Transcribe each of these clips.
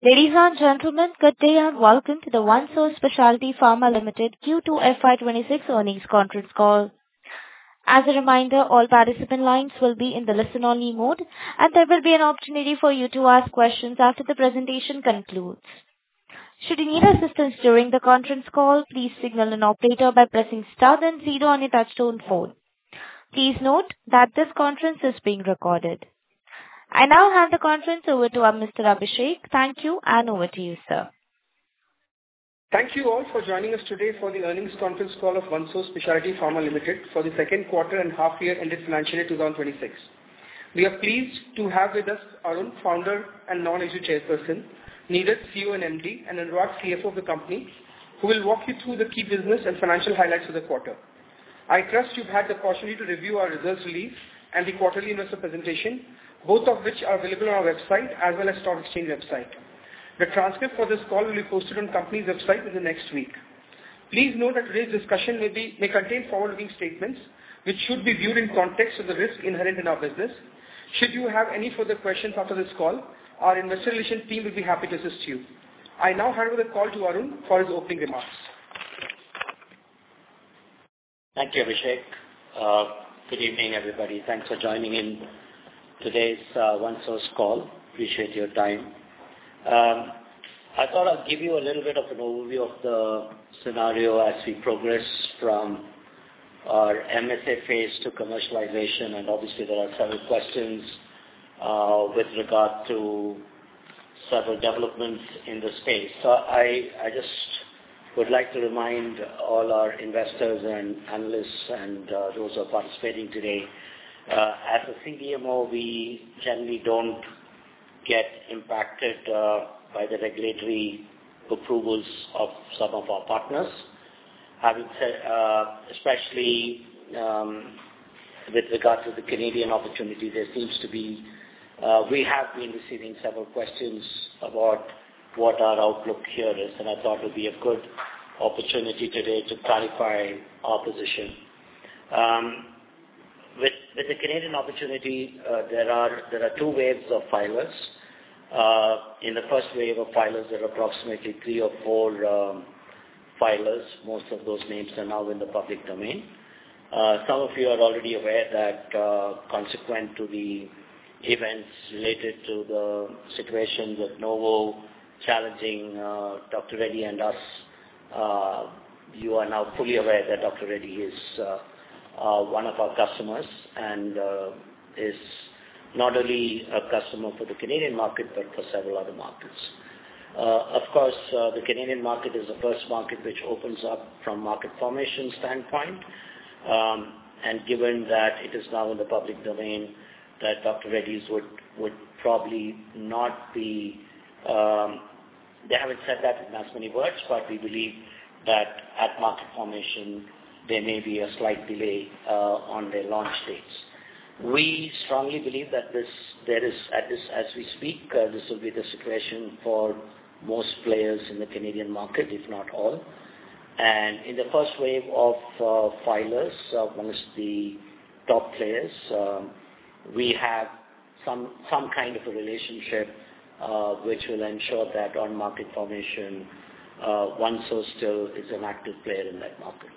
Ladies and gentlemen, good day and welcome to the OneSource Specialty Pharma Limited Q2 FY 2026 earnings conference call. As a reminder, all participant lines will be in the listen only mode, there will be an opportunity for you to ask questions after the presentation concludes. Should you need assistance during the conference call, please signal an operator by pressing star then 0 on your touchtone phone. Please note that this conference is being recorded. I now hand the conference over to our Mr. Abhishek. Thank you, over to you, sir. Thank you all for joining us today for the earnings conference call of OneSource Specialty Pharma Limited for the second quarter and half year ended financial year 2026. We are pleased to have with us Arun, founder and non-executive chairperson, Neeraj, CEO and MD, and Anwar, CFO of the company, who will walk you through the key business and financial highlights for the quarter. I trust you've had the opportunity to review our results release and the quarterly investor presentation, both of which are available on our website as well as stock exchange website. The transcript for this call will be posted on company's website in the next week. Please note that today's discussion may contain forward-looking statements which should be viewed in context of the risk inherent in our business. Should you have any further questions after this call, our investor relations team will be happy to assist you. I now hand over the call to Arun for his opening remarks. Thank you, Abhishek. Good evening, everybody. Thanks for joining in today's OneSource call. Appreciate your time. I thought I'd give you a little bit of an overview of the scenario as we progress from our MSA phase to commercialization. Obviously there are several questions, with regard to several developments in the space. I just would like to remind all our investors and analysts and those who are participating today. As a CDMO, we generally don't get impacted by the regulatory approvals of some of our partners. Having said, especially, with regards to the Canadian opportunity, we have been receiving several questions about what our outlook here is, I thought it would be a good opportunity today to clarify our position. With the Canadian opportunity, there are two waves of filers. In the first wave of filers, there are approximately three or four filers. Most of those names are now in the public domain. Some of you are already aware that, consequent to the events related to the situation with Novo challenging Dr. Reddy's and us. You are now fully aware that Dr. Reddy's is one of our customers and is not only a customer for the Canadian market, but for several other markets. The Canadian market is the first market which opens up from market formation standpoint. Given that it is now in the public domain that Dr. Reddy's would probably not be They haven't said that in as many words, we believe that at market formation there may be a slight delay on their launch dates. We strongly believe that as we speak, this will be the situation for most players in the Canadian market, if not all. In the first wave of filers amongst the top players, we have some kind of a relationship, which will ensure that on market formation, OneSource still is an active player in that market.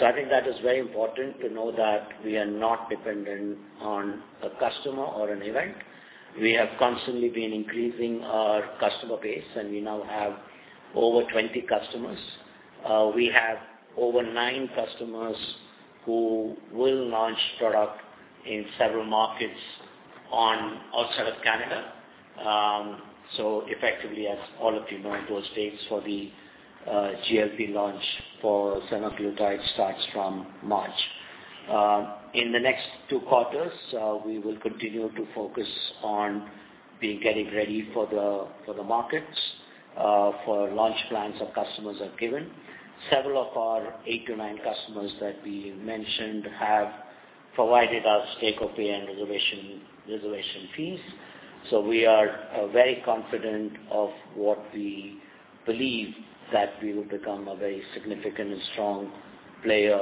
I think that is very important to know that we are not dependent on a customer or an event. We have constantly been increasing our customer base, we now have over 20 customers. We have over nine customers who will launch product in several markets outside of Canada. Effectively, as all of you know, those dates for the GLP launch for semaglutide starts from March. In the next two quarters, we will continue to focus on getting ready for the markets, for launch plans our customers have given. Several of our eight to nine customers that we mentioned have provided us take-or-pay and reservation fees. We are very confident of what we believe that we will become a very significant and strong player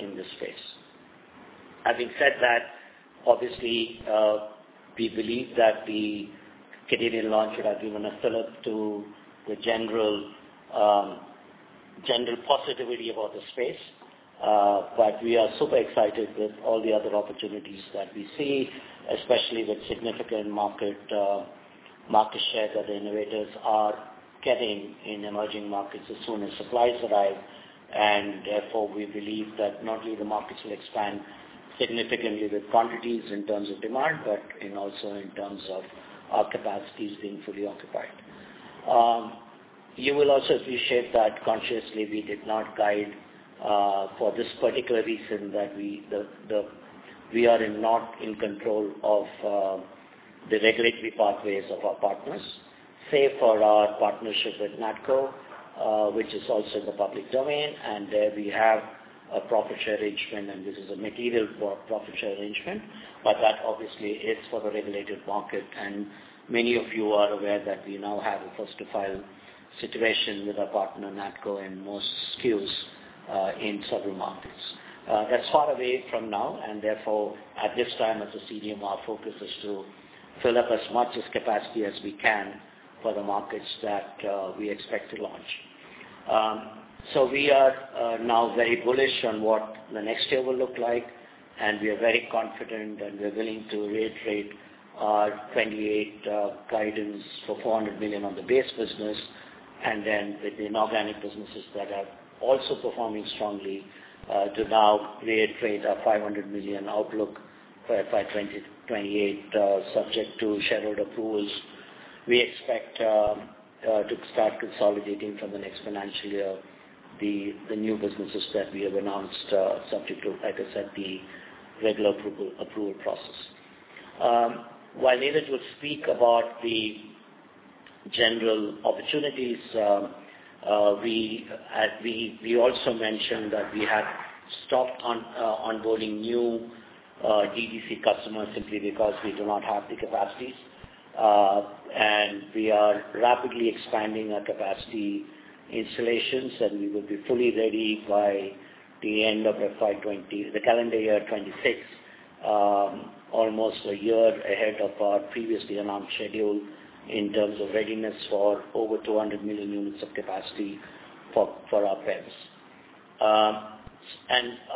in this space. Having said that, obviously, we believe that the Canadian launch has given a fillip to the general positivity about the space. We are super excited with all the other opportunities that we see, especially with significant market share that the innovators are getting in emerging markets as soon as supplies arrive. Therefore, we believe that not only the markets will expand significantly with quantities in terms of demand, but in also in terms of our capacities being fully occupied. You will also appreciate that consciously we did not guide, for this particular reason that we are not in control of the regulatory pathways of our partners. Save for our partnership with Natco, which is also in the public domain, there we have a profit share arrangement, this is a material profit share arrangement. That obviously is for a regulated market, many of you are aware that we now have a first to file situation with our partner Natco and more skills, in several markets. That's far away from now, therefore, at this time as a CDMO, our focus is to fill up as much capacity as we can for the markets that we expect to launch. We are now very bullish on what the next year will look like, we are very confident, we are willing to reiterate our 2028 guidance for $400 million on the base business. With the inorganic businesses that are also performing strongly, to now reiterate a $500 million outlook by 2028, subject to shareholder approvals. We expect to start consolidating from the next financial year, the new businesses that we have announced, subject to, like I said, the regular approval process. While Neeraj will speak about the general opportunities, we also mentioned that we have stopped onboarding new DDC customers simply because we do not have the capacities. We are rapidly expanding our capacity installations, and we will be fully ready by the end of the calendar year 2026, almost a year ahead of our previously announced schedule in terms of readiness for over 200 million units of capacity for our pens.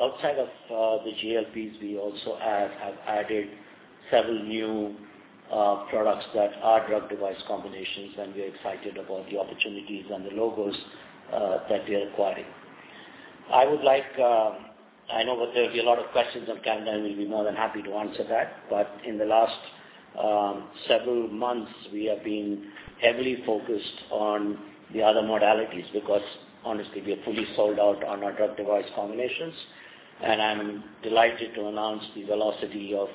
Outside of the GLPs, we also have added several new products that are drug-device combinations, and we are excited about the opportunities and the logos that we are acquiring. I know that there will be a lot of questions on Canada, and we will be more than happy to answer that. In the last several months, we have been heavily focused on the other modalities because honestly, we are fully sold out on our drug-device combinations. I am delighted to announce the velocity of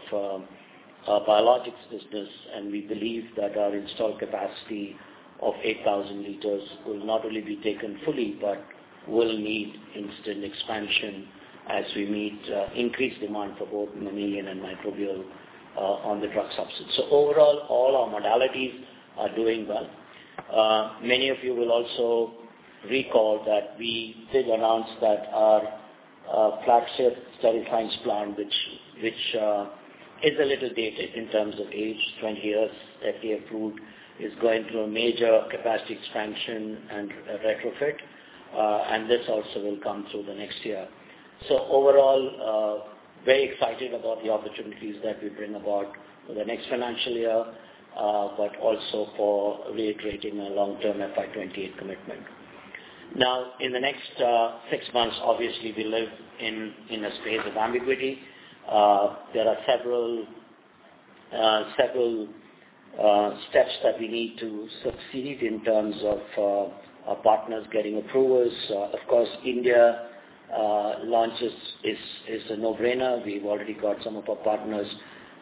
our biologics business, and we believe that our installed capacity of 8,000 liters will not only be taken fully but will need instant expansion as we meet increased demand for both mammalian and microbial on the drug substance. Overall, all our modalities are doing well. Many of you will also recall that we did announce that our flagship Steril-Science plant, which is a little dated in terms of age, 20 years, FDA approved, is going through a major capacity expansion and retrofit. This also will come through the next year. Overall, very excited about the opportunities that we bring about for the next financial year, but also for reiterating a long-term FY 2028 commitment. Now, in the next 6 months, obviously, we live in a space of ambiguity. There are several steps that we need to succeed in terms of our partners getting approvals. Of course, India launch is a no-brainer. We have already got some of our partners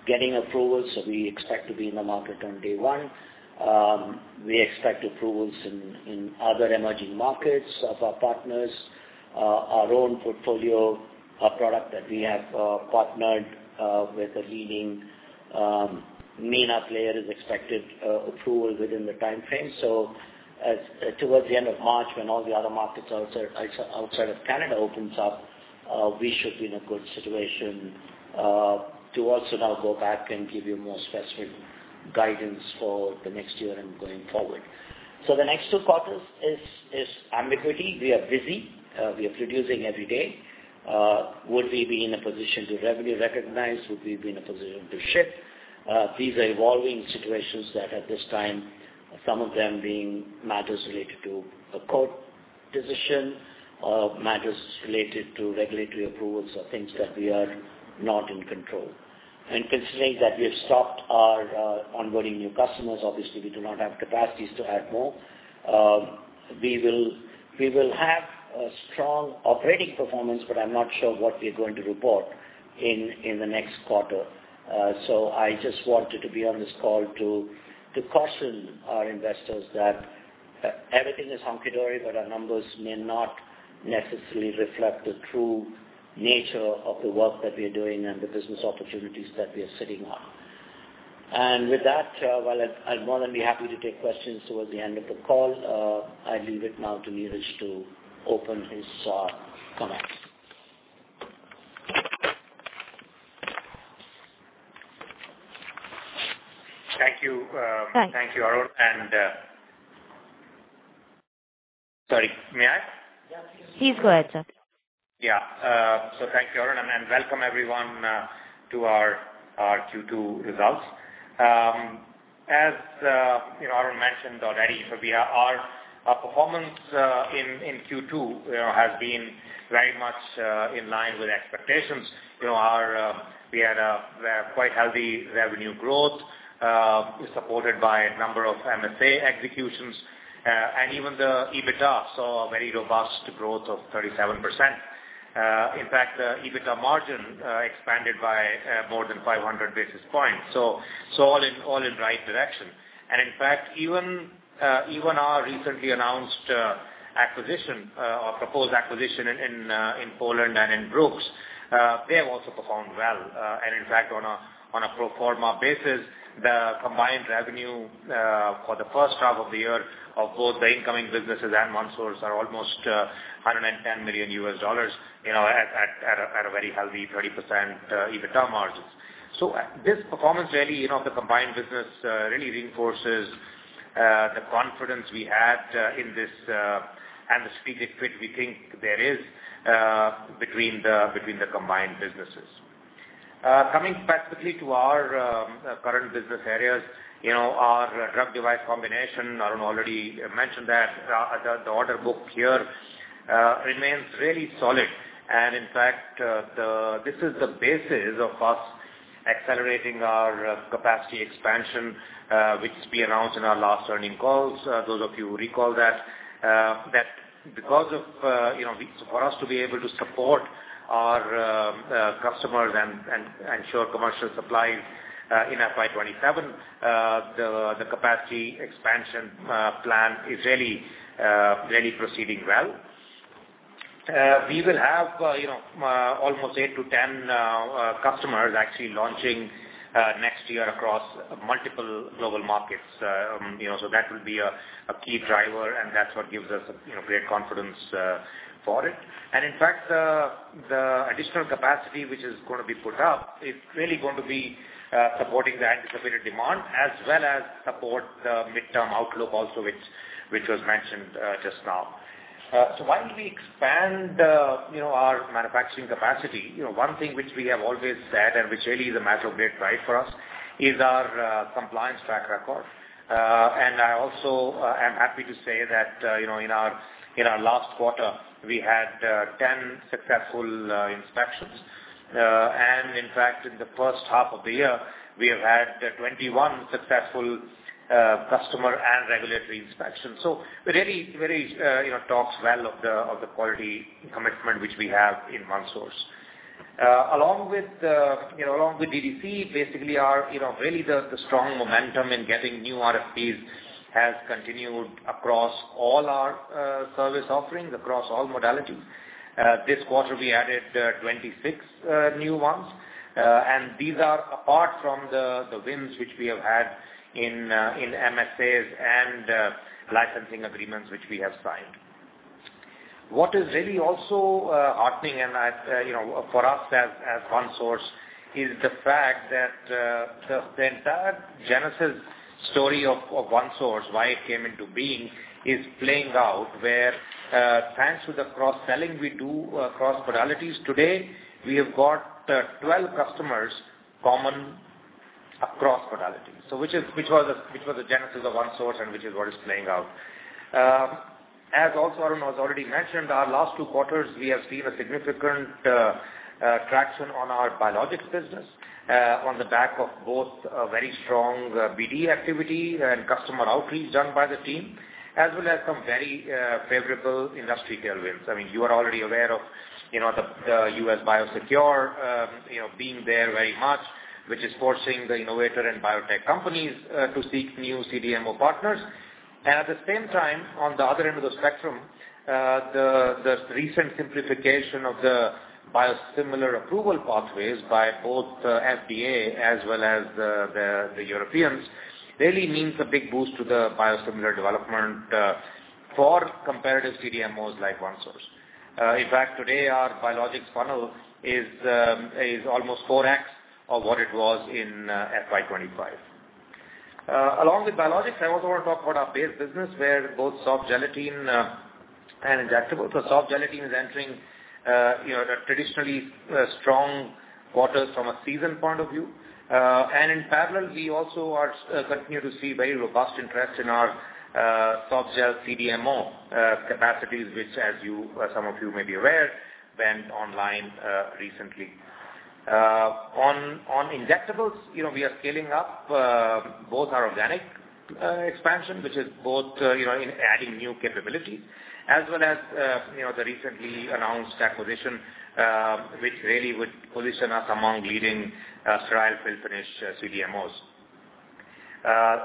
getting approvals, so we expect to be in the market on day one. We expect approvals in other emerging markets of our partners. Our own portfolio, a product that we have partnered with a leading MENA player, is expected approval within the timeframe. Towards the end of March, when all the other markets outside of Canada opens up, we should be in a good situation to also now go back and give you more specific guidance for the next year and going forward. The next 2 quarters is ambiguity. We are busy. We are producing every day. Would we be in a position to revenue recognize? Would we be in a position to ship? These are evolving situations that at this time, some of them being matters related to a court decision or matters related to regulatory approvals or things that we are not in control. Considering that we have stopped our onboarding new customers, obviously, we do not have capacities to add more. We will have a strong operating performance, but I'm not sure what we are going to report in the next quarter. I just wanted to be on this call to caution our investors that everything is hunky-dory, but our numbers may not necessarily reflect the true nature of the work that we are doing and the business opportunities that we are sitting on. With that, while I'd more than be happy to take questions towards the end of the call, I leave it now to Neeraj to open his comments. Thank you. Hi. Thank you, Arun. Sorry. May I? Yeah, please. Please go ahead, sir. Thank you, Arun, and welcome everyone to our Q2 results. As Arun mentioned already, our performance in Q2 has been very much in line with expectations. We had a quite healthy revenue growth, supported by a number of MSA executions. Even the EBITDA saw a very robust growth of 37%. In fact, the EBITDA margin expanded by more than 500 basis points. All in right direction. In fact, even our recently announced acquisition, or proposed acquisition in Poland and in Brooks, they have also performed well. In fact, on a pro forma basis, the combined revenue for the first half of the year of both the incoming businesses and OneSource are almost $110 million at a very healthy 30% EBITDA margins. This performance of the combined business really reinforces the confidence we had in this and the strategic fit we think there is between the combined businesses. Coming specifically to our current business areas, our drug-device combination, Arun already mentioned that the order book here remains really solid. In fact, this is the basis of us accelerating our capacity expansion, which we announced in our last earning calls. Those of you who recall that because for us to be able to support our customers and ensure commercial supplies in FY 2027, the capacity expansion plan is really proceeding well. We will have almost 8-10 customers actually launching next year across multiple global markets. That will be a key driver and that's what gives us great confidence for it. In fact, the additional capacity which is going to be put up is really going to be supporting the anticipated demand as well as support the midterm outlook also, which was mentioned just now. While we expand our manufacturing capacity, one thing which we have always said and which really is a matter of great pride for us is our compliance track record. I also am happy to say that in our last quarter, we had 10 successful inspections. In fact, in the first half of the year, we have had 21 successful customer and regulatory inspections. It really talks well of the quality commitment which we have in OneSource. Along with DDC, basically really the strong momentum in getting new RFPs has continued across all our service offerings, across all modalities. This quarter, we added 26 new ones, these are apart from the wins which we have had in MSAs and licensing agreements which we have signed. What is really also heartening and for us as OneSource, is the fact that the entire genesis story of OneSource, why it came into being, is playing out where thanks to the cross-selling we do across modalities today, we have got 12 customers common across modalities. Which was the genesis of OneSource and which is what is playing out. Arun has already mentioned, our last two quarters, we have seen a significant traction on our biologics business, on the back of both a very strong BD activity and customer outreach done by the team, as well as some very favorable industry tailwinds. I mean, you are already aware of the U.S. BIOSECURE Act being there very much, which is forcing the innovator and biotech companies to seek new CDMO partners. At the same time, on the other end of the spectrum, the recent simplification of the biosimilar approval pathways by both the FDA as well as the Europeans really means a big boost to the biosimilar development for competitive CDMOs like OneSource. In fact, today our biologics funnel is almost 4x of what it was in FY 2025. Along with biologics, I also want to talk about our base business where both soft gelatin and injectables. Soft gelatin is entering traditionally strong quarters from a season point of view. In parallel, we also continue to see very robust interest in our soft gel CDMO capacities, which as some of you may be aware, went online recently. On injectables, we are scaling up both our organic expansion, which is both in adding new capabilities as well as the recently announced acquisition, which really would position us among leading sterile fill-finish CDMOs.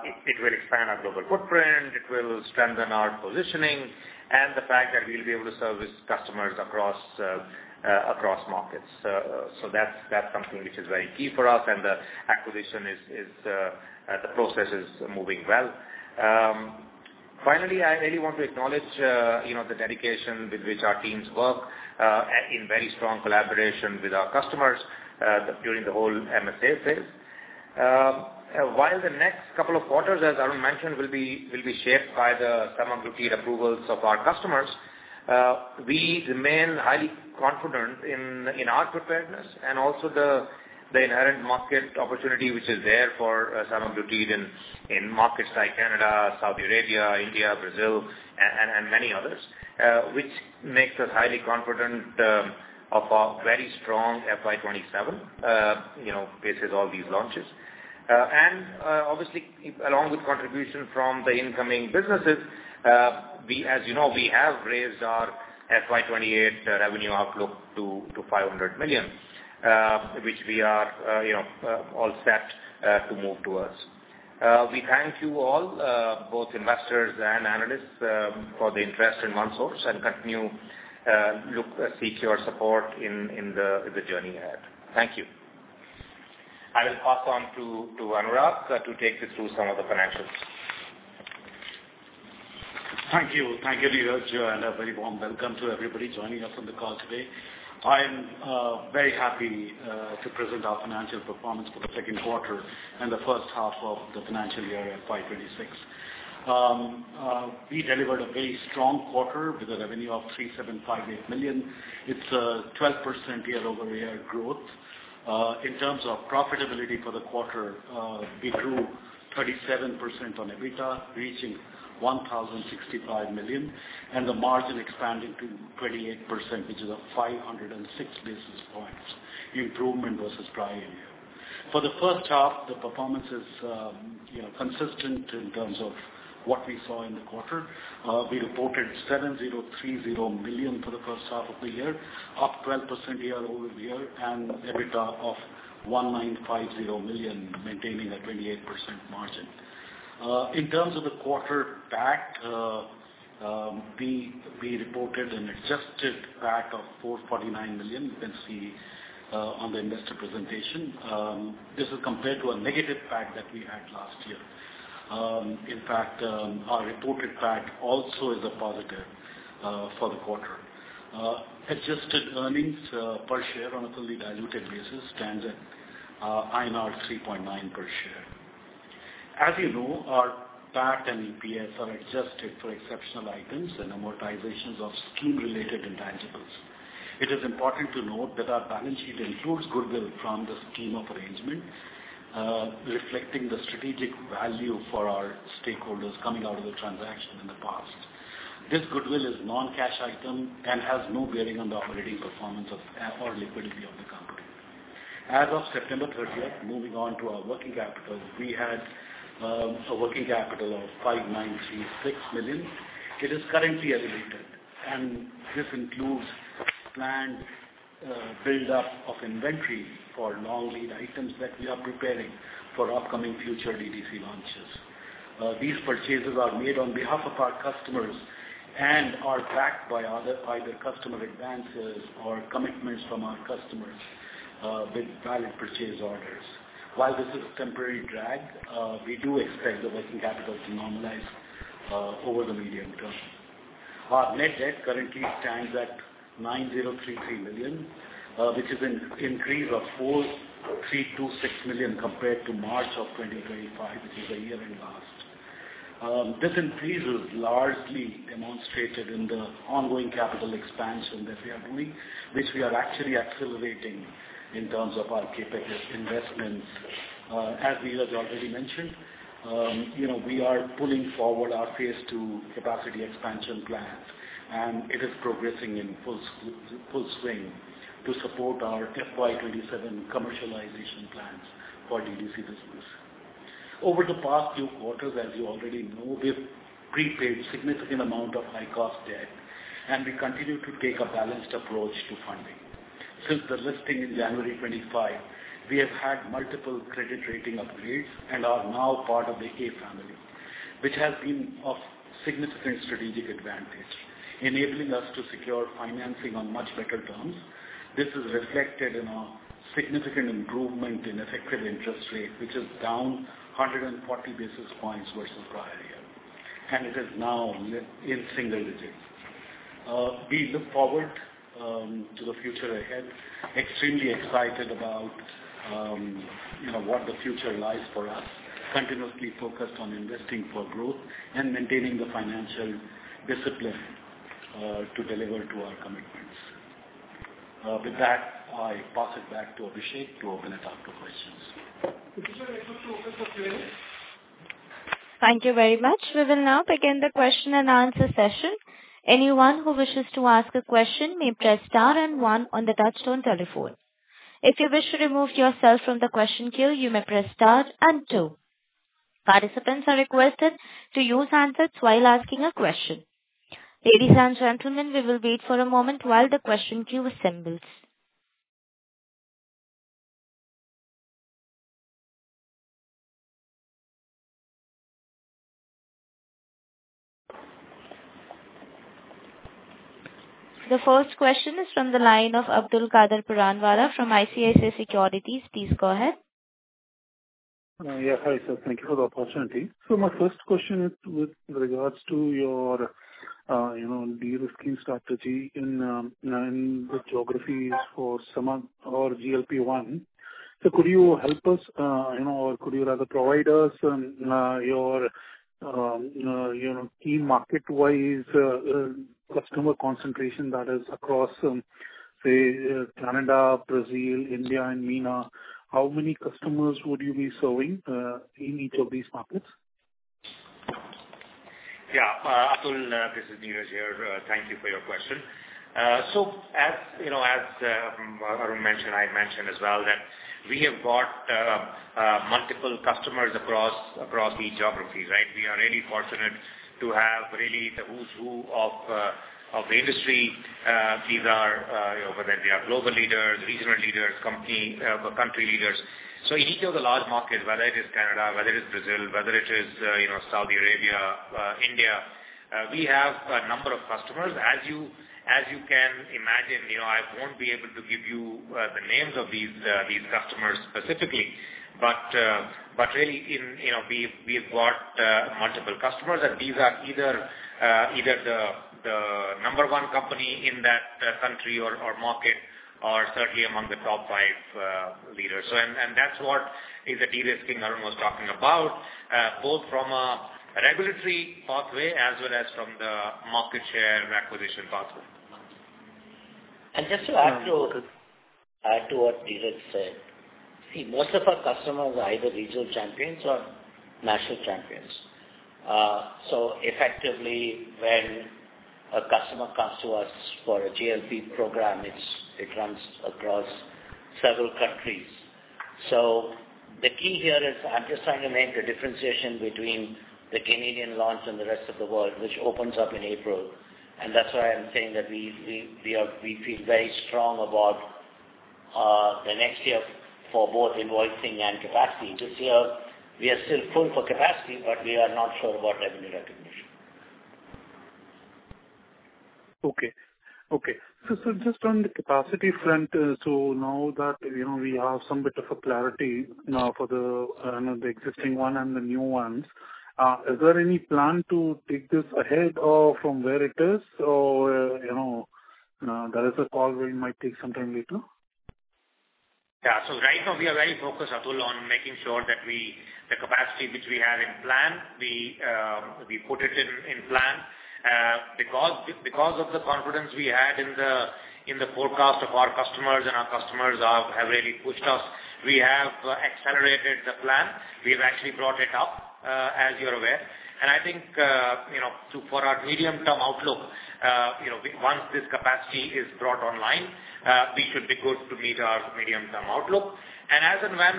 It will expand our global footprint, it will strengthen our positioning, and the fact that we'll be able to service customers across markets. That's something which is very key for us and the acquisition process is moving well. Finally, I really want to acknowledge the dedication with which our teams work in very strong collaboration with our customers during the whole MSA phase. While the next couple of quarters, as Arun mentioned, will be shaped by the saralumab approvals of our customers, we remain highly confident in our preparedness and also the inherent market opportunity which is there for saralumab in markets like Canada, Saudi Arabia, India, Brazil, and many others, which makes us highly confident of a very strong FY 2027, faces all these launches. Obviously, along with contribution from the incoming businesses, as you know, we have raised our FY 2028 revenue outlook to 500 million, which we are all set to move towards. We thank you all, both investors and analysts, for the interest in OneSource, and continue to seek your support in the journey ahead. Thank you. I will pass on to Anurag to take us through some of the financials. Thank you, Neeraj, and a very warm welcome to everybody joining us on the call today. I am very happy to present our financial performance for the second quarter and the first half of the financial year FY 2026. We delivered a very strong quarter with a revenue of 3,758 million. It's a 12% year-over-year growth. In terms of profitability for the quarter, we grew 37% on EBITDA, reaching 1,065 million, and the margin expanded to 28%, which is a 506 basis points improvement versus prior year. For the first half, the performance is consistent in terms of what we saw in the quarter. We reported 7,030 million for the first half of the year, up 12% year-over-year, and EBITDA of 1,950 million, maintaining a 28% margin. In terms of the quarter PAT, we reported an adjusted PAT of 449 million. You can see on the investor presentation. This is compared to a negative PAT that we had last year. In fact, our reported PAT also is a positive for the quarter. Adjusted earnings per share on a fully diluted basis stands at INR 3.9 per share. As you know, our PAT and EPS are adjusted for exceptional items and amortizations of scheme-related intangibles. It is important to note that our balance sheet includes goodwill from the scheme of arrangement, reflecting the strategic value for our stakeholders coming out of the transaction in the past. This goodwill is non-cash item and has no bearing on the operating performance of, or liquidity of the company. As of September 30th, moving on to our working capital, we had a working capital of 5,936 million. It is currently elevated, and this includes planned build-up of inventory for long-lead items that we are preparing for upcoming future DDC launches. These purchases are made on behalf of our customers and are backed by either customer advances or commitments from our customers with valid purchase orders. While this is a temporary drag, we do expect the working capital to normalize over the medium term. Our net debt currently stands at 9,033 million, which is an increase of 4,326 million compared to March of 2025, which is a year in last. This increase is largely demonstrated in the ongoing capital expansion that we are doing, which we are actually accelerating in terms of our CapEx investments. As Neeraj already mentioned, we are pulling forward our phase 2 capacity expansion plans, and it is progressing in full swing to support our FY 2027 commercialization plans for DDC business. Over the past few quarters, as you already know, we've prepaid significant amount of high-cost debt, and we continue to take a balanced approach to funding. Since the listing in January 2025, we have had multiple credit rating upgrades and are now part of the A family, which has been of significant strategic advantage, enabling us to secure financing on much better terms. This is reflected in our significant improvement in effective interest rate, which is down 140 basis points versus prior year, and it is now in single digits. We look forward to the future ahead, extremely excited about what the future lies for us, continuously focused on investing for growth and maintaining the financial discipline to deliver to our commitments. With that, I pass it back to Abhishek to open it up to questions. Abhishek, request to open for Q&A. Thank you very much. We will now begin the question and answer session. Anyone who wishes to ask a question may press star and one on the touchtone telephone. If you wish to remove yourself from the question queue, you may press star and two. Participants are requested to use handsets while asking a question. Ladies and gentlemen, we will wait for a moment while the question queue assembles. The first question is from the line of Abdul Kader Puranwala from ICICI Securities. Please go ahead. Yeah. Hi, sir. Thank you for the opportunity. My first question is with regards to your de-risking strategy in the geographies for semaglutide or GLP-1. Could you help us, or could you rather provide us your key market-wise customer concentration that is across, say, Canada, Brazil, India, and MENA? How many customers would you be serving in each of these markets? Abdul, this is Neeraj here. Thank you for your question. As Arun mentioned, I mentioned as well that we have got multiple customers across each geographies, right? We are really fortunate to have really the who's who of the industry. These are, whether they are global leaders, regional leaders, country leaders. In each of the large markets, whether it is Canada, whether it is Brazil, whether it is Saudi Arabia, India We have a number of customers. As you can imagine, I won't be able to give you the names of these customers specifically, but really, we've got multiple customers, and these are either the number one company in that country or market, or certainly among the top five leaders. That's what is the de-risking Arun was talking about, both from a regulatory pathway as well as from the market share and acquisition pathway. Just to add to what Neeraj said. See, most of our customers are either regional champions or national champions. Effectively, when a customer comes to us for a GLP program, it runs across several countries. The key here is, I'm just trying to make the differentiation between the Canadian launch and the rest of the world, which opens up in April. That's why I'm saying that we feel very strong about the next year for both invoicing and capacity. This year we are still full for capacity, but we are not sure about revenue recognition. Okay. Just on the capacity front, now that we have some bit of a clarity for the existing one and the new ones, is there any plan to take this ahead or from where it is or, there is a call where it might take some time later? Yeah. Right now we are very focused, Atul, on making sure that the capacity which we have in plan, we put it in plan. Because of the confidence we had in the forecast of our customers and our customers have really pushed us, we have accelerated the plan. We've actually brought it up, as you're aware. I think, for our medium-term outlook, once this capacity is brought online, we should be good to meet our medium-term outlook. As and when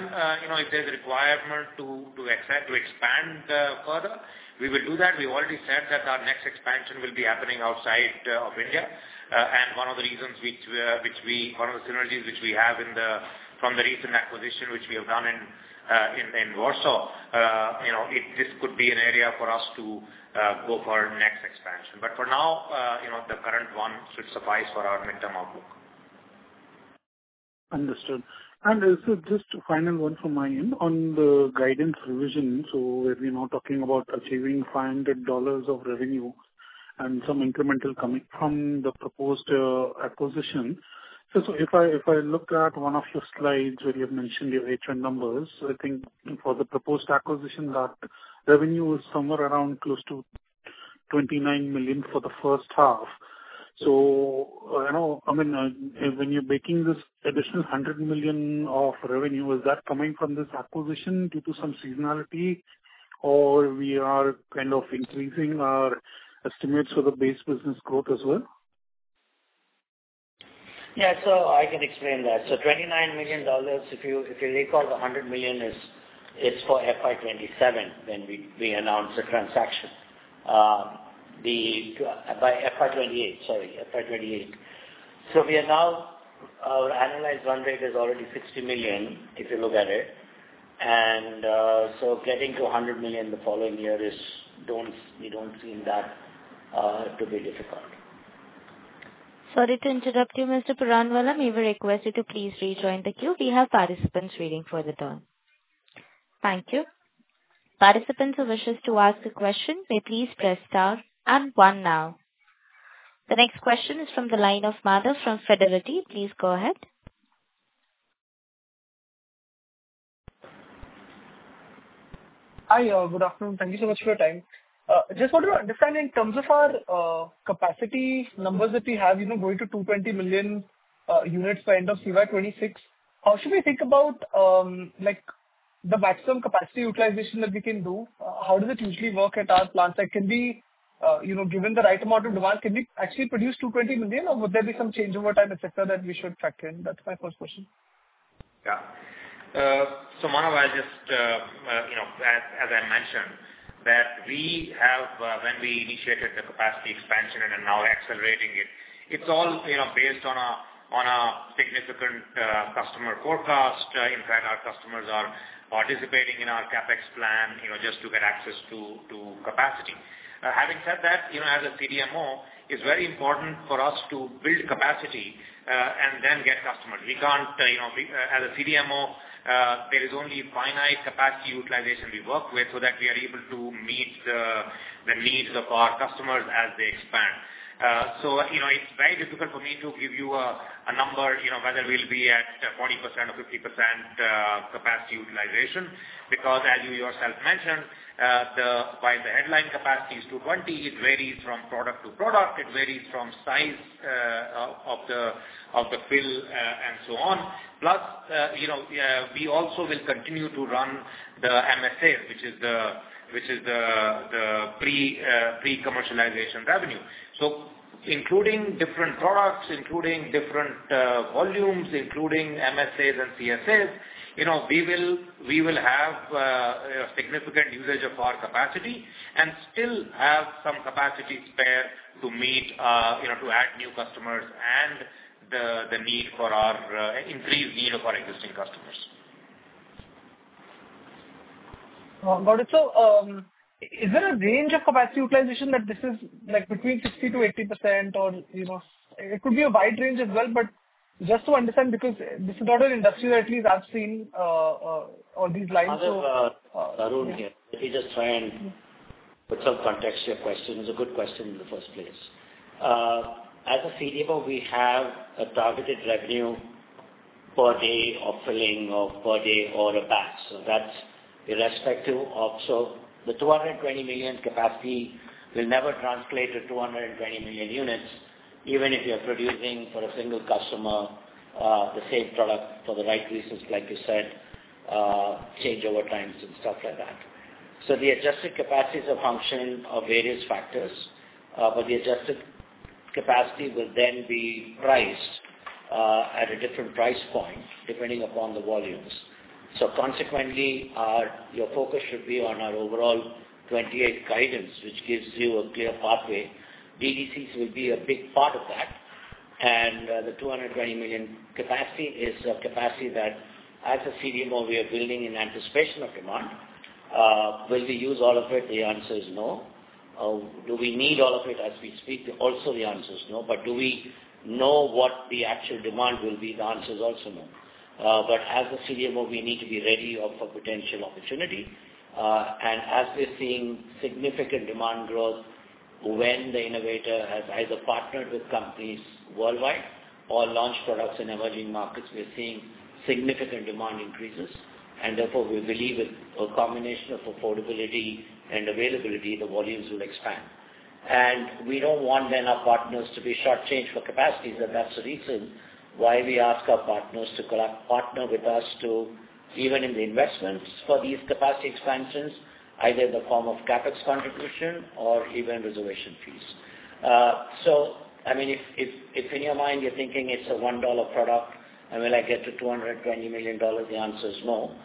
if there's a requirement to expand further, we will do that. We've already said that our next expansion will be happening outside of India. One of the synergies which we have from the recent acquisition, which we have done in Warsaw, this could be an area for us to go for our next expansion. For now, the current one should suffice for our midterm outlook. Understood. Just a final one from my end on the guidance revision. As we're now talking about achieving $500 million of revenue and some incremental coming from the proposed acquisition. If I looked at one of your slides where you've mentioned your H1 numbers, I think for the proposed acquisition, that revenue is somewhere around close to $29 million for the first half. When you're making this additional $100 million of revenue, is that coming from this acquisition due to some seasonality or we are kind of increasing our estimates for the base business growth as well? Yeah. I can explain that. $29 million, if you recall, the $100 million is for FY 2027, when we announced the transaction. FY 2028, sorry. FY 2028. Our annualized run rate is already $60 million, if you look at it. Getting to $100 million the following year, we don't seem that to be difficult. Sorry to interrupt you, Mr. Puranam. We will request you to please rejoin the queue. We have participants waiting for the turn. Thank you. Participants who wishes to ask a question may please press star and one now. The next question is from the line of Manav from Fidelity. Please go ahead. Hi, good afternoon. Thank you so much for your time. Just wanted to understand in terms of our capacity numbers that we have, going to 220 million units by end of CY 2026, how should we think about the maximum capacity utilization that we can do? How does it usually work at our plants? That can be, given the right amount of demand, can we actually produce 220 million or would there be some change over time, et cetera, that we should factor in? That's my first question. Yeah. Manav, as I mentioned, that when we initiated the capacity expansion and are now accelerating it's all based on a significant customer forecast. In fact, our customers are participating in our CapEx plan, just to get access to capacity. Having said that, as a CDMO, it's very important for us to build capacity, and then get customers. As a CDMO, there is only finite capacity utilization we work with so that we are able to meet the needs of our customers as they expand. It's very difficult for me to give you a number, whether we'll be at 20% or 50% capacity utilization, because as you yourself mentioned, while the headline capacity is 220, it varies from product to product. It varies from size of the pill and so on. Plus, we also will continue to run the MSAs, which is the pre-commercialization revenue. Including different products, including different volumes, including MSAs and CSAs, we will have significant usage of our capacity and still have some capacity spare to add new customers and the increased need of our existing customers. Got it. Is there a range of capacity utilization that this is between 60%-80% or it could be a wide range as well, but just to understand, because this is not an industry that at least I've seen on these lines. Arun here. Let me just try and put some context to your question. It's a good question in the first place. As a CDMO, we have a targeted revenue per day of filling or per day or a batch. The 220 million capacity will never translate to 220 million units, even if you're producing for a single customer, the same product for the right reasons, like you said, changeover times and stuff like that. The adjusted capacity is a function of various factors. The adjusted capacity will then be priced at a different price point depending upon the volumes. Consequently, your focus should be on our overall 2028 guidance, which gives you a clear pathway. DDCs will be a big part of that. The 220 million capacity is a capacity that as a CDMO, we are building in anticipation of demand. Will we use all of it? The answer is no. Do we need all of it as we speak? Also, the answer is no. Do we know what the actual demand will be? The answer is also no. As a CDMO, we need to be ready for potential opportunity. As we're seeing significant demand growth when the innovator has either partnered with companies worldwide or launched products in emerging markets, we are seeing significant demand increases. Therefore, we believe with a combination of affordability and availability, the volumes will expand. We don't want then our partners to be short-changed for capacities, and that's the reason why we ask our partners to partner with us to even in the investments for these capacity expansions, either in the form of CapEx contribution or even reservation fees. If in your mind you're thinking it's a $1 product, and will I get to $220 million, the answer is no.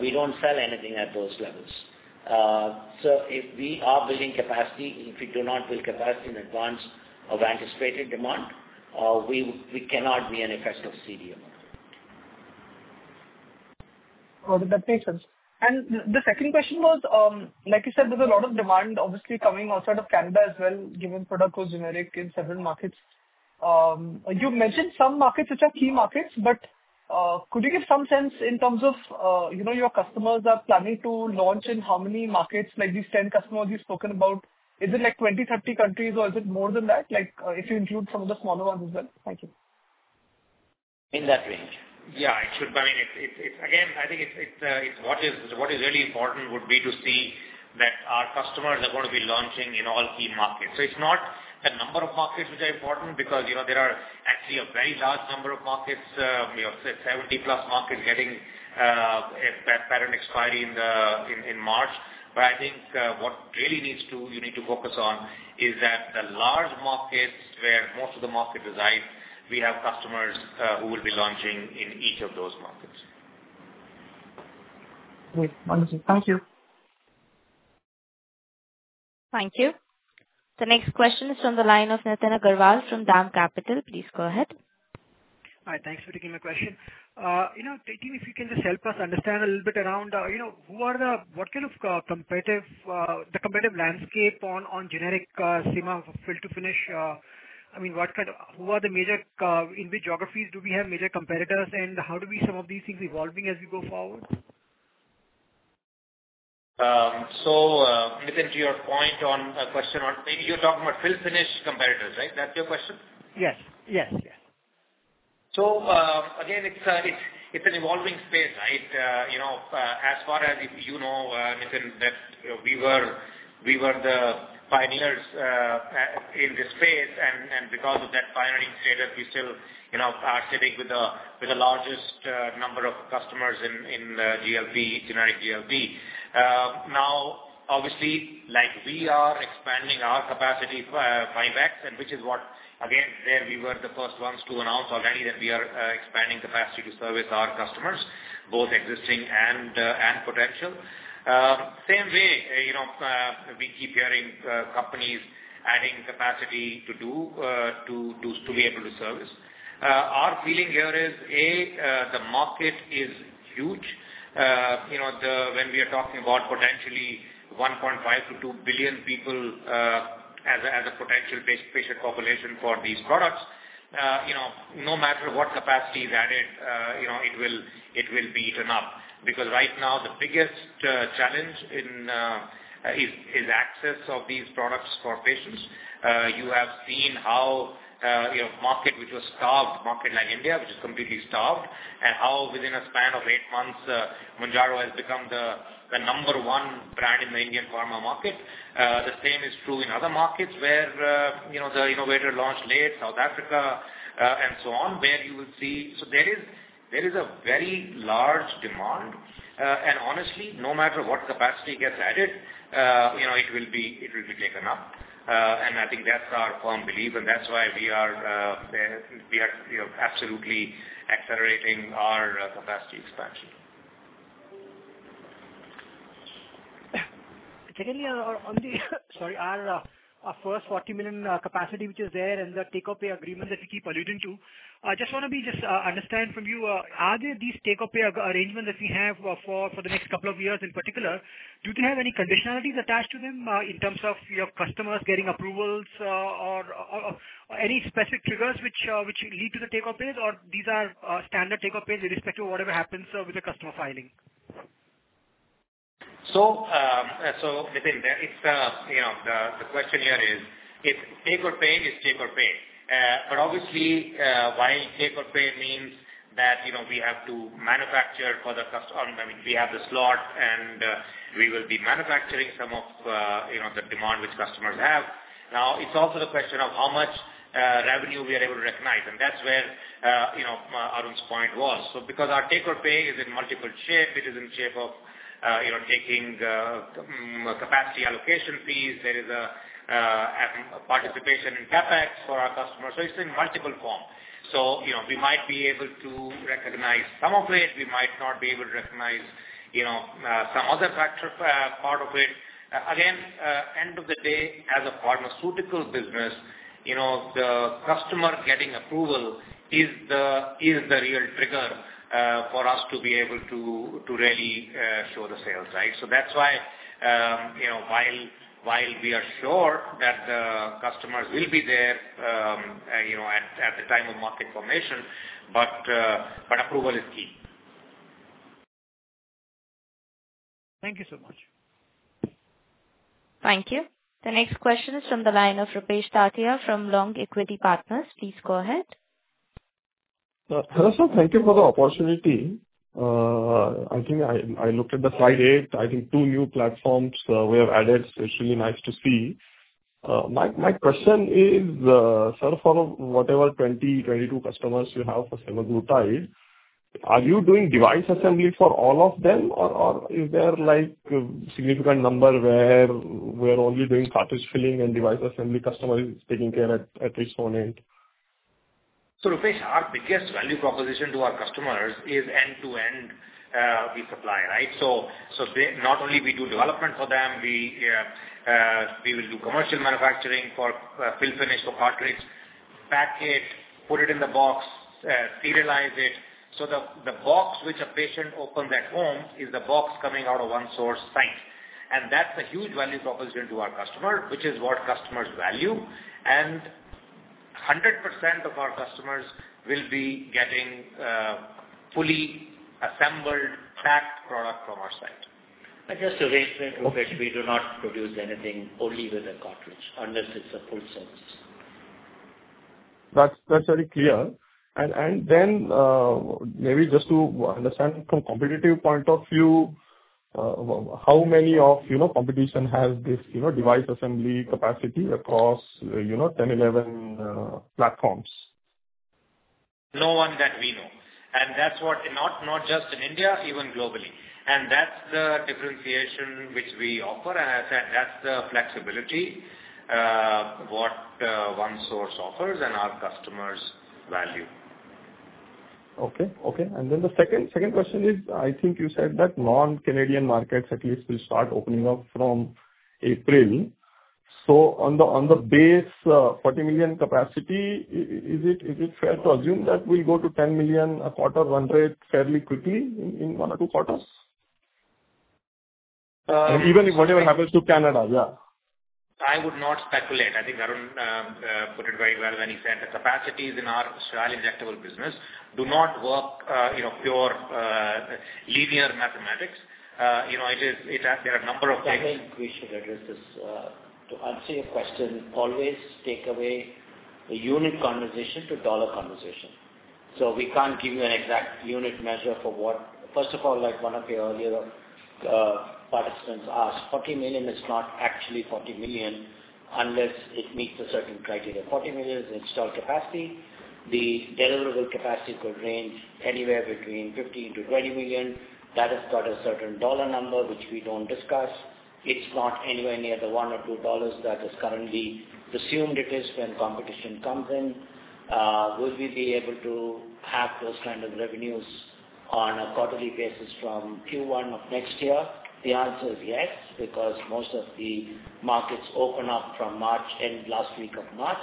We don't sell anything at those levels. If we are building capacity, if we do not build capacity in advance of anticipated demand, we cannot be an effective CDMO. That makes sense. The second question was, like you said, there's a lot of demand, obviously coming outside of Canada as well, given product goes generic in several markets. You've mentioned some markets which are key markets, but could you give some sense in terms of your customers are planning to launch in how many markets, like these 10 customers you've spoken about, is it like 20, 30 countries or is it more than that, if you include some of the smaller ones as well? Thank you. In that range. Yeah. Again, I think what is really important would be to see that our customers are going to be launching in all key markets. It's not the number of markets which are important because there are actually a very large number of markets, we have 70-plus markets getting a patent expiry in March. I think what really you need to focus on is that the large markets where most of the market resides, we have customers who will be launching in each of those markets. Great. Wonderful. Thank you. Thank you. The next question is from the line of Nitin Agarwal from DAM Capital. Please go ahead. Hi. Thanks for taking my question. Team, if you can just help us understand a little bit around what kind of the competitive landscape on generic semaglutide fill-finish. In which geographies do we have major competitors, and how do some of these things evolving as we go forward? Nitin, to your point on a question on maybe you're talking about fill-finish competitors, right? That's your question? Yes. Again, it's an evolving space, right? As far as you know, Nitin, that we were the pioneers in this space, and because of that pioneering status, we still are sitting with the largest number of customers in generic GLP. Now, obviously, we are expanding our capacity 5x and which is what, again, there we were the first ones to announce already that we are expanding capacity to service our customers, both existing and potential. Same way, we keep hearing companies adding capacity to be able to service. Our feeling here is, A, the market is huge. When we are talking about potentially 1.5 billion to 2 billion people as a potential patient population for these products, no matter what capacity is added it will be eaten up. Because right now the biggest challenge is access of these products for patients. You have seen how a market which was starved, market like India, which is completely starved, and how within a span of eight months, Mounjaro has become the number one brand in the Indian pharma market. The same is true in other markets where the innovator launched late, South Africa and so on. There is a very large demand. Honestly, no matter what capacity gets added it will be taken up. I think that's our firm belief, and that's why we are absolutely accelerating our capacity expansion. Secondly, on the our first 40 million capacity which is there and the take-or-pay agreement that you keep alluding to, I just want to understand from you, are these take-or-pay arrangements that we have for the next couple of years in particular, do they have any conditionalities attached to them in terms of your customers getting approvals or any specific triggers which lead to the take-or-pays, or these are standard take-or-pays irrespective of whatever happens with the customer filing? Nitin, the question here is, if take-or-pay is take-or-pay. Obviously, while take-or-pay means that we have to manufacture for the customer, I mean, we have the slot and we will be manufacturing some of the demand which customers have. It's also the question of how much revenue we are able to recognize, and that's where Arun's point was. Because our take-or-pay is in multiple shape, it is in shape of taking capacity allocation fees. There is a participation in CapEx for our customers. It's in multiple forms. We might be able to recognize some of it, we might not be able to recognize some other part of it. Again, end of the day, as a pharmaceutical business, the customer getting approval is the real trigger for us to be able to really show the sales, right? That's why, while we are sure that the customers will be there at the time of market formation, approval is key. Thank you so much. Thank you. The next question is from the line of Rupesh Tatia from Long Ridge Equity Partners. Please go ahead. Hello, sir. Thank you for the opportunity. I think I looked at the slide eight, I think two new platforms we have added. It is really nice to see. My question is, sir, for whatever 20-22 customers you have for semaglutide, are you doing device assembly for all of them, or is there a significant number where we are only doing cartridge filling and device assembly, customer is taking care at his own end? Rupesh, our biggest value proposition to our customers is end-to-end, we supply, right? Not only we do development for them, we will do commercial manufacturing for fill-finish for cartridge, pack it, put it in the box, serialize it, so the box which a patient opens at home is the box coming out of OneSource site. That is a huge value proposition to our customer, which is what customers value. 100% of our customers will be getting a fully assembled packed product from our site. Just to reiterates Rupesh, we do not produce anything only with a cartridge unless it is a full service. That's very clear. Maybe just to understand from competitive point of view, how many of competition has this device assembly capacity across 10, 11 platforms? No one that we know. Not just in India, even globally. That's the differentiation which we offer, that's the flexibility, what OneSource offers and our customers value. The second question is, I think you said that non-Canadian markets at least will start opening up from April. On the base 40 million capacity, is it fair to assume that we'll go to 10 million a quarter run rate fairly quickly in one or two quarters? Even if whatever happens to Canada, yeah. I would not speculate. I think Arun put it very well when he said the capacities in our sterile injectable business do not work pure linear mathematics. There are a number of things. Nitin, we should address this. To answer your question, always take away the unit conversation to dollar conversation. We can't give you an exact unit measure for what. First of all, like one of your earlier participants asked, 40 million is not actually 40 million unless it meets a certain criteria. 40 million is installed capacity. The deliverable capacity could range anywhere between 15 million-20 million. That has got a certain INR number, which we don't discuss. It's not anywhere near the 1 or INR 2 that is currently presumed it is when competition comes in. Will we be able to have those kind of revenues on a quarterly basis from Q1 of next year? The answer is yes, because most of the markets open up from March, end last week of March.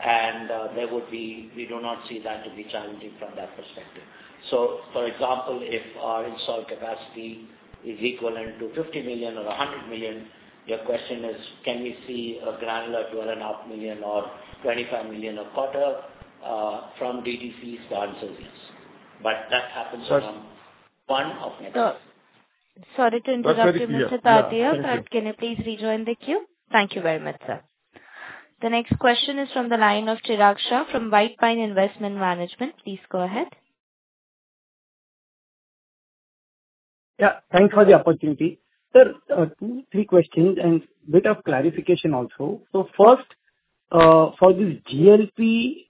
We do not see that to be challenging from that perspective. For example, if our installed capacity is equivalent to 50 million or 100 million, your question is, can we see a granular two and a half million or 25 million a quarter from DDCs? The answer is yes. That happens from Q1 of next year. Sorry to interrupt you, Mr. Tatia. That's very clear. Can you please rejoin the queue? Thank you very much, sir. The next question is from the line of Chirag Shah from White Pine Investment Management. Please go ahead. Yeah, thanks for the opportunity. Sir, two, three questions and a bit of clarification also. First, for this GLP,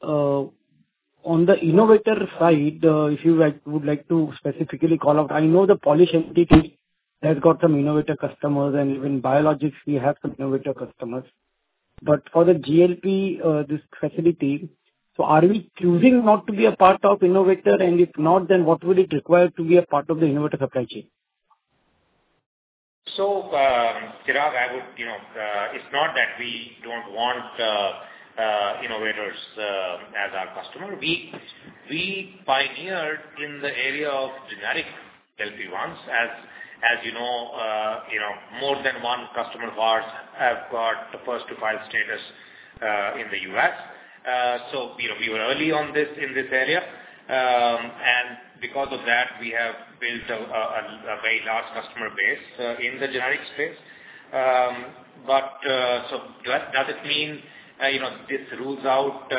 on the innovator side, if you would like to specifically call out, I know the Polish entity has got some innovator customers and even biologics, we have some innovator customers. For the GLP, this facility, are we choosing not to be a part of innovator? And if not, then what will it require to be a part of the innovator supply chain? Chirag, it's not that we don't want innovators as our customer. We pioneered in the area of generic GLP-1s. As you know, more than one customer of ours have got first to file status in the U.S. We were early on in this area. Because of that, we have built a very large customer base in the generic space. Does it mean this rules out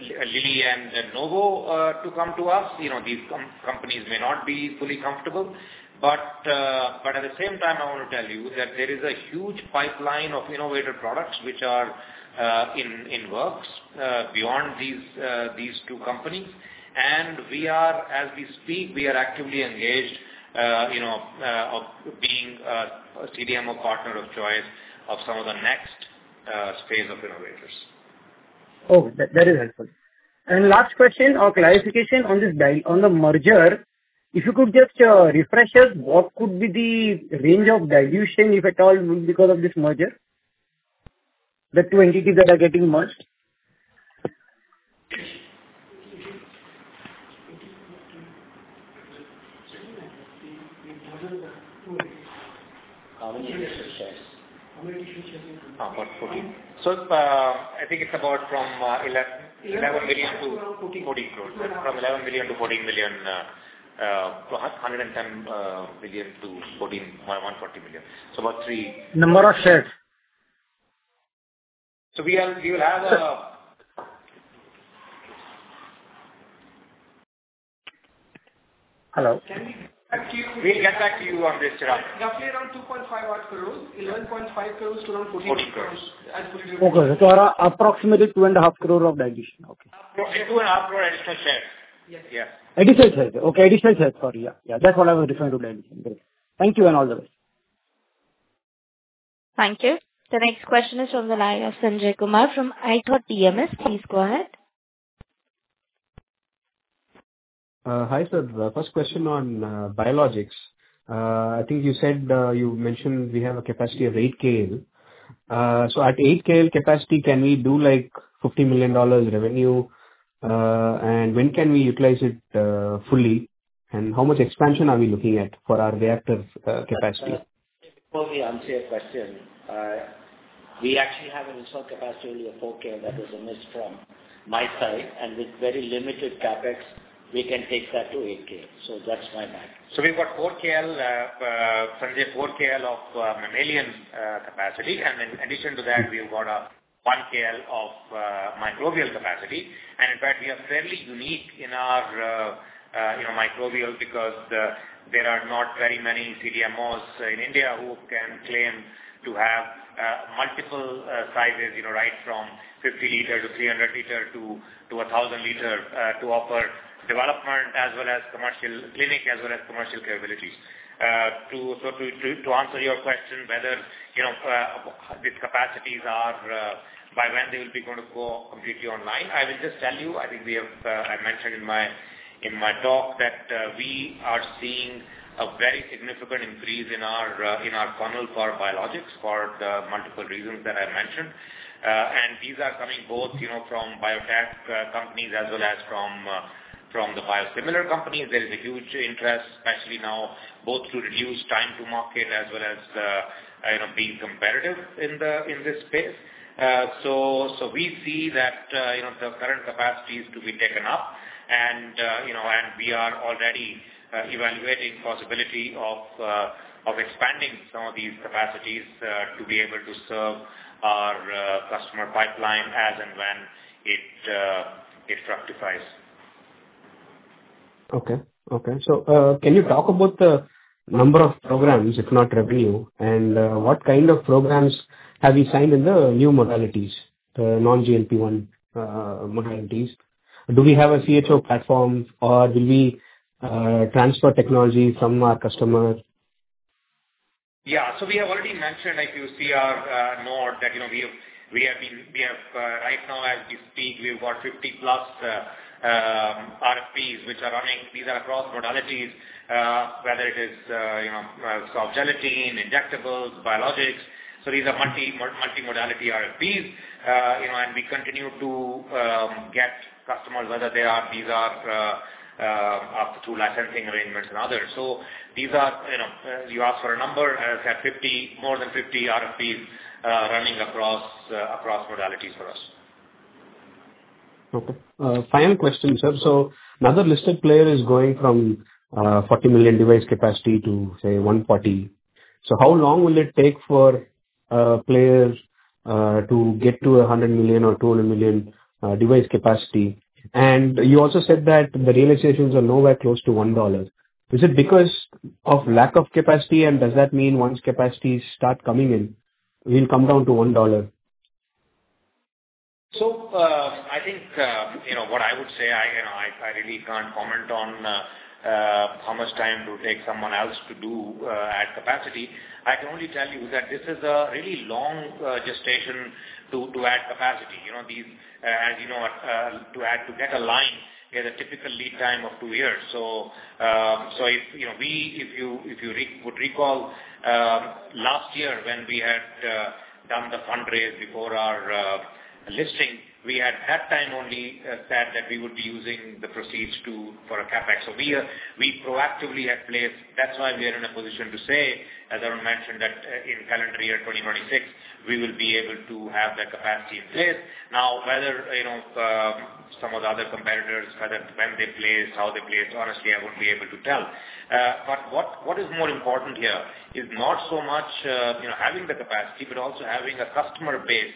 Lilly and Novo to come to us? These companies may not be fully comfortable. At the same time, I want to tell you that there is a huge pipeline of innovator products which are in works beyond these two companies. As we speak, we are actively engaged of being a CDMO partner of choice of some of the next space of innovators. Okay. That is helpful. Last question or clarification on the merger. If you could just refresh us, what could be the range of dilution, if at all, because of this merger? The two entities that are getting merged. How many issued shares? How many issued shares? About 14. I think it's about from 11 million to 14 million. From 11 million to 14 million. 110 million to 140 million. Number of shares. We will have- Hello. Can we get back to you? We'll get back to you on this, Chirag. Roughly around 2.5 odd crores. 11.5 crores to around 14 crores. 14 crores. Okay. Approximately two and a half crore of dilution. Okay. Two and a half crore additional shares. Yes. Yeah. Additional shares. Okay. Additional shares. Sorry. Yeah. That's what I was referring to, dilution. Great. Thank you and all the best. Thank you. The next question is from the line of Sanjay Kumar from ITMS. Please go ahead. Hi, sir. The first question on biologics. I think you mentioned we have a capacity of eight KL. At eight KL capacity, can we do $50 million revenue? When can we utilize it fully, and how much expansion are we looking at for our reactor capacity? Before we answer your question, we actually have an installed capacity only of four KL that was a miss from my side, with very limited CapEx, we can take that to eight KL. That's my math. We've got four KL, Sanjay, four KL of mammalian capacity, in addition to that, we've got a one KL of microbial capacity. In fact, we are fairly unique in our microbial because there are not very many CDMOs in India who can claim to have multiple sizes, right from 50 liter to 300 liter to 1,000 liter, to offer development as well as commercial clinic, as well as commercial capabilities. To answer your question, whether these capacities are by when they will be going to go completely online, I will just tell you, I think I mentioned in my talk that we are seeing a very significant increase in our funnel for biologics for the multiple reasons that I mentioned. These are coming both from biotech companies as well as from the biosimilar companies. There is a huge interest, especially now, both to reduce time to market as well as being competitive in this space. We see that the current capacity is to be taken up and we are already evaluating possibility of expanding some of these capacities to be able to serve our customer pipeline as and when it fructifies. Okay. Can you talk about the number of programs, if not revenue, and what kind of programs have you signed in the new modalities, non-GLP-1 modalities? Do we have a CHO platform or do we transfer technology from our customers? Yeah. We have already mentioned, if you see our node that right now as we speak, we've got 50 plus RFPs which are running. These are across modalities, whether it is soft gelatin, injectables, biologics. These are multi-modality RFPs, and we continue to get customers, whether these are through licensing arrangements and others. You asked for a number, have more than 50 RFPs running across modalities for us. Okay. Final question, sir. Another listed player is going from 40 million device capacity to, say, 140. How long will it take for players to get to 100 million or 200 million device capacity? And you also said that the realizations are nowhere close to $1. Is it because of lack of capacity, and does that mean once capacities start coming in, we'll come down to $1? I think what I would say, I really can't comment on how much time it would take someone else to add capacity. I can only tell you that this is a really long gestation to add capacity. To get a line, you get a typical lead time of two years. If you would recall, last year when we had done the fundraise before our listing, we had half time only said that we would be using the proceeds for a CapEx. We proactively had placed. That's why we are in a position to say, as Arun mentioned, that in calendar year 2026, we will be able to have that capacity in place. Now, whether some of the other competitors, whether when they place, how they place, honestly, I wouldn't be able to tell. What is more important here is not so much having the capacity, but also having a customer base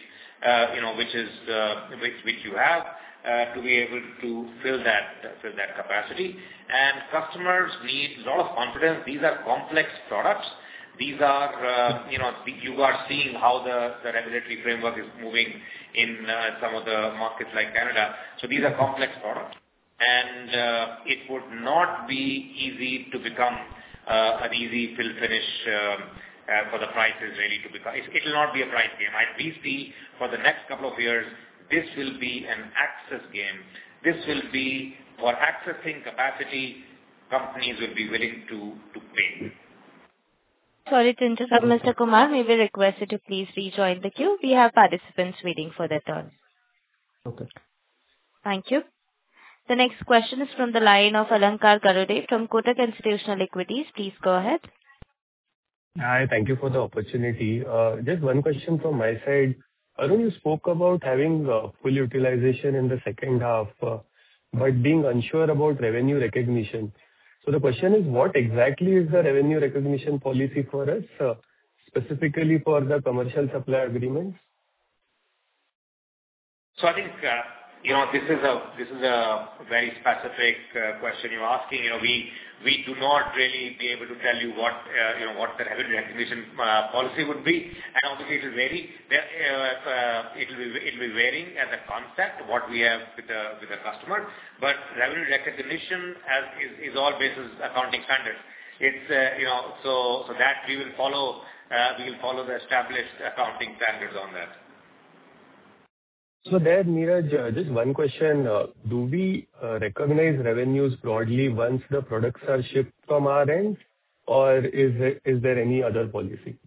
which you have to be able to fill that capacity. Customers need a lot of confidence. These are complex products. You are seeing how the regulatory framework is moving in some of the markets like Canada. These are complex products, and it would not be easy to become an easy fill-finish. It'll not be a price game. I at least see for the next couple of years, this will be an access game. This will be for accessing capacity, companies will be willing to pay. Sorry to interrupt, Mr. Kumar, may we request you to please rejoin the queue. We have participants waiting for their turn. Okay. Thank you. The next question is from the line of Alankar Garude from Kotak Institutional Equities. Please go ahead. Hi, thank you for the opportunity. Just one question from my side. Arun, you spoke about having full utilization in the second half, but being unsure about revenue recognition. The question is what exactly is the revenue recognition policy for us, specifically for the commercial supplier agreements? I think this is a very specific question you're asking. We do not really be able to tell you what the revenue recognition policy would be. Obviously, it'll vary. It'll be varying as a concept, what we have with the customer. Revenue recognition is all based as accounting standards. That we will follow the established accounting standards on that. There, Neeraj, just one question. Do we recognize revenues broadly once the products are shipped from our end, or is there any other policy?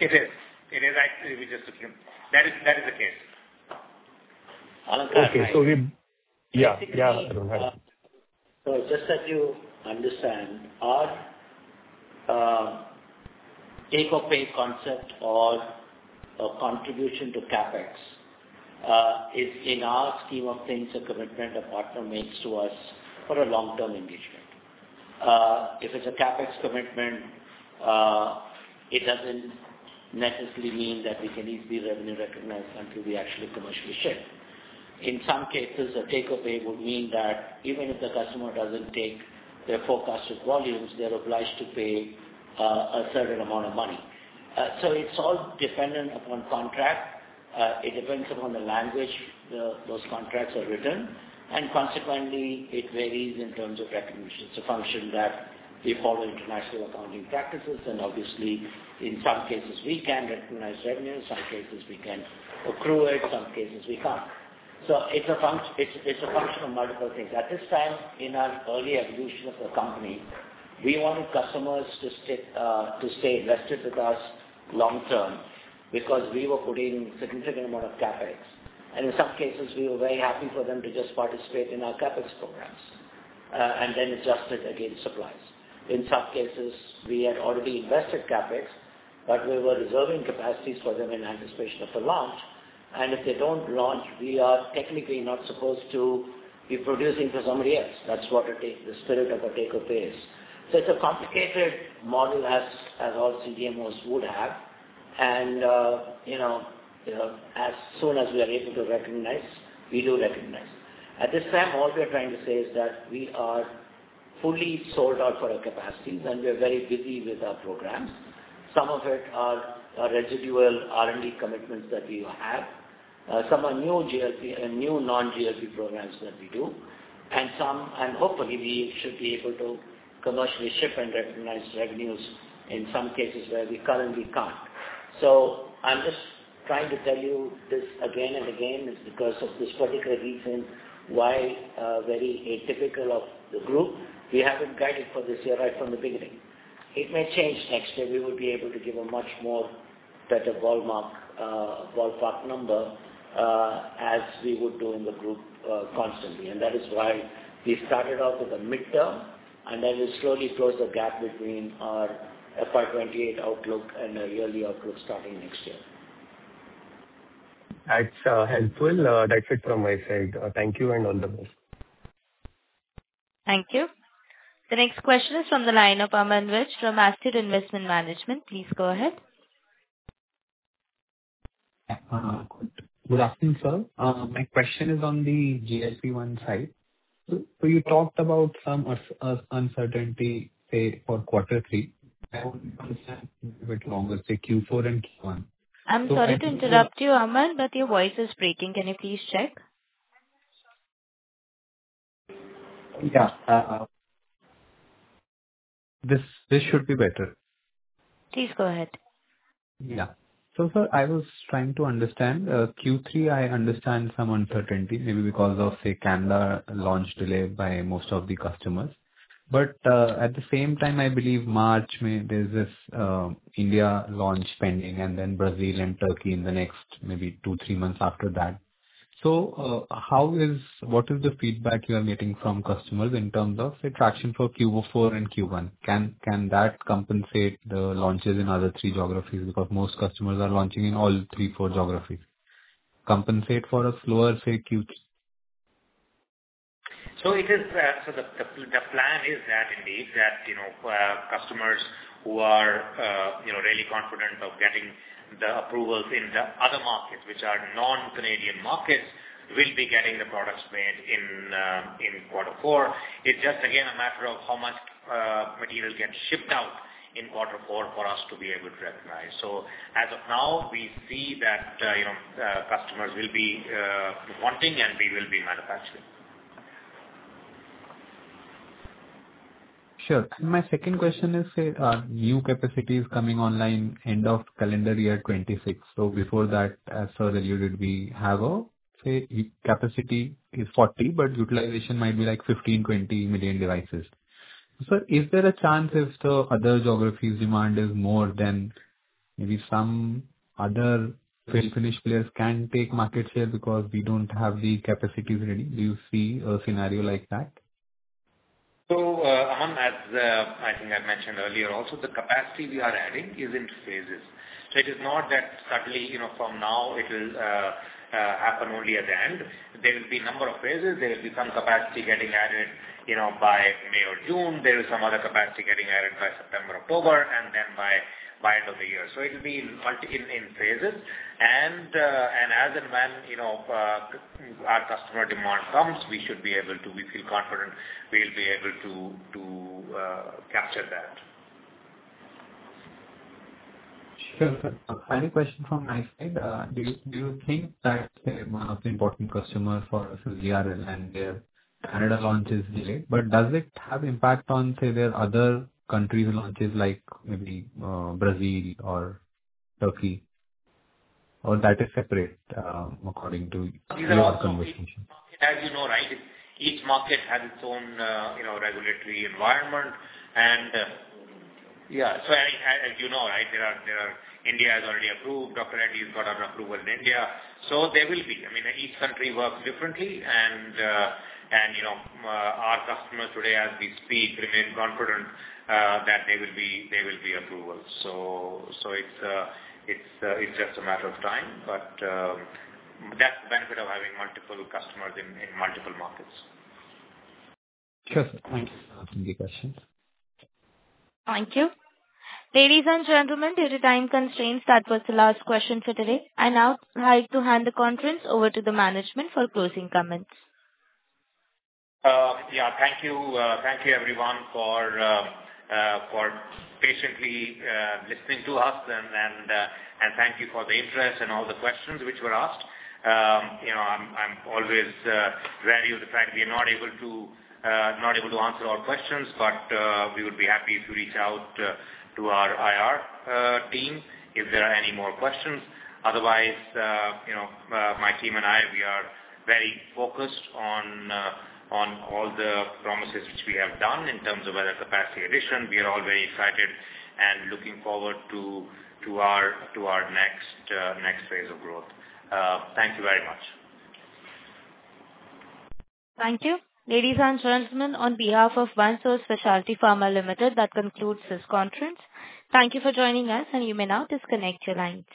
It is. It is actually. That is the case. Alankar- Okay. We- Yeah. Yeah. Just that you understand, our take-or-pay concept or contribution to CapEx, is in our scheme of things, a commitment a partner makes to us for a long-term engagement. If it's a CapEx commitment, it doesn't necessarily mean that it can easily be revenue recognized until we actually commercially ship. In some cases, a take-or-pay would mean that even if the customer doesn't take their forecasted volumes, they're obliged to pay a certain amount of money. It's all dependent upon contract. It depends upon the language those contracts are written, and consequently, it varies in terms of recognition. It's a function that we follow international accounting practices, and obviously, in some cases we can recognize revenue, some cases we can accrue it, some cases we can't. It's a function of multiple things. At this time, in our early evolution of the company, we wanted customers to stay invested with us long-term because we were putting significant amount of CapEx. In some cases, we were very happy for them to just participate in our CapEx programs, and then adjusted against supplies. In some cases, we had already invested CapEx, but we were reserving capacities for them in anticipation of a launch. If they don't launch, we are technically not supposed to be producing for somebody else. That's what the spirit of a take-or-pay is. It's a complicated model as all CDMOs would have, and as soon as we are able to recognize, we do recognize. At this time, all we're trying to say is that we are fully sold out for our capacities, and we are very busy with our programs. Some of it are residual R&D commitments that we have. Some are new non-GLP programs that we do. Hopefully, we should be able to commercially ship and recognize revenues in some cases where we currently can't. I'm just trying to tell you this again and again, is because of this particular reason why very atypical of the group, we haven't guided for this year right from the beginning. It may change next year. We would be able to give a much more better ballpark number, as we would do in the group constantly. That is why we started off with a midterm, and then we'll slowly close the gap between our FY 2028 outlook and a yearly outlook starting next year. That's helpful. That's it from my side. Thank you and all the best. Thank you. The next question is from the line of Aman Vij from Astute Investment Management. Please go ahead. Good afternoon, sir. My question is on the GLP-1 side. You talked about some uncertainty, say, for quarter three. I want to understand a bit longer, say Q4 and Q1. I'm sorry to interrupt you, Aman, but your voice is breaking. Can you please check? Yeah. This should be better. Please go ahead. Sir, I was trying to understand. Q3, I understand some uncertainty, maybe because of, say, Canada launch delay by most of the customers. At the same time, I believe March, May, there's this India launch pending, and then Brazil and Turkey in the next maybe two, three months after that. What is the feedback you are getting from customers in terms of, say, traction for Q4 and Q1? Can that compensate the launches in other three geographies? Because most customers are launching in all three, four geographies. Compensate for a slower, say, Q3. The plan is that, indeed, customers who are really confident of getting the approvals in the other markets, which are non-Canadian markets, will be getting the products made in quarter four. It's just, again, a matter of how much material gets shipped out in quarter four for us to be able to recognize. As of now, we see that customers will be wanting, and we will be manufacturing. Sure. My second question is, say, new capacity is coming online end of calendar year 2026. Before that, as far as you would be, have a, say, capacity is 40, but utilization might be 15, 20 million devices. Sir, is there a chance if the other geographies demand is more, maybe some other finished players can take market share because we don't have the capacities ready? Do you see a scenario like that? Aman, as I think I mentioned earlier also, the capacity we are adding is in phases. It is not that suddenly, from now it will happen only at the end. There will be a number of phases. There will be some capacity getting added by May or June. There is some other capacity getting added by September, October, and then by end of the year. It will be in phases. As and when our customer demand comes, we feel confident we'll be able to capture that. Sure, sir. Final question from my side. Do you think that one of the important customers for us is DRL, and their Canada launch is delayed. Does it have impact on, say, their other countries launches, like maybe Brazil or Turkey? That is separate according to your conversation? As you know, right, each market has its own regulatory environment. As you know, right, India has already approved. Dr. Reddy's got an approval in India. Each country works differently, and our customers today, as we speak, remain confident that there will be approvals. It's just a matter of time, but that's the benefit of having multiple customers in multiple markets. Sure, sir. Thank you. That's all the questions. Thank you. Ladies and gentlemen, due to time constraints, that was the last question for today. I now like to hand the conference over to the management for closing comments. Yeah. Thank you. Thank you everyone for patiently listening to us, and thank you for the interest and all the questions which were asked. I'm always wary of the fact we are not able to answer all questions. We would be happy if you reach out to our IR team if there are any more questions. Otherwise, my team and I, we are very focused on all the promises which we have done in terms of whether capacity addition. We are all very excited and looking forward to our next phase of growth. Thank you very much. Thank you. Ladies and gentlemen, on behalf of OneSource Specialty Pharma Limited, that concludes this conference. Thank you for joining us, and you may now disconnect your lines.